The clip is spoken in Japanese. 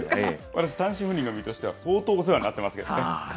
私、単身赴任の身としては、相当お世話になってますけどね。